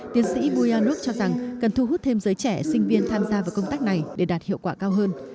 tiến sĩ buyanov cho rằng cần thu hút thêm giới trẻ sinh viên tham gia vào công tác này để đạt hiệu quả cao hơn